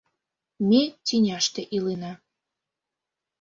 Ме тӱняште илена